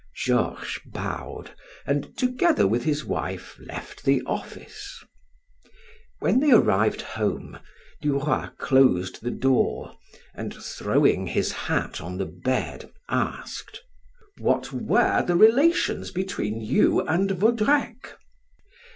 Georges bowed, and together with his wife left the office. When they arrived home, Du Roy closed the door and throwing his hat on the bed, asked: "What were the relations between you and Vaudrec?"